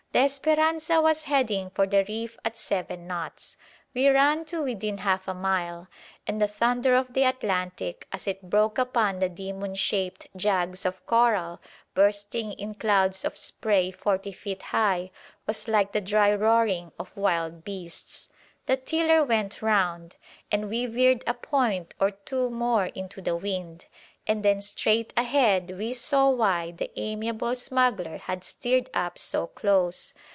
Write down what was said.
The "Esperanza" was heading for the reef at seven knots. We ran to within half a mile; and the thunder of the Atlantic, as it broke upon the demon shaped jags of coral, bursting in clouds of spray forty feet high, was like the dry roaring of wild beasts. The tiller went round, and we veered a point or two more into the wind; and then straight ahead we saw why the amiable smuggler had steered up so close.